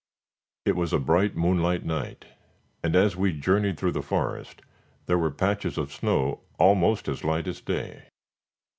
It was a bright moonlight night, and as we journeyed through the forest, there were patches of snow almost as light as day.